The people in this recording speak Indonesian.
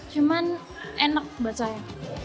cuman enak buat saya